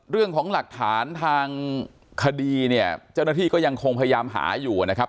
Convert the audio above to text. เรื่องของหลักฐานทางคดีเนี่ยเจ้าหน้าที่ก็ยังคงพยายามหาอยู่นะครับ